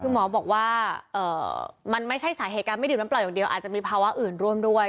คือหมอบอกว่ามันไม่ใช่สาเหตุการไม่ดื่มน้ำเปล่าอย่างเดียวอาจจะมีภาวะอื่นร่วมด้วย